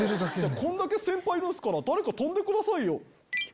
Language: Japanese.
こんだけ先輩いるんすから誰か飛んでくださいよ。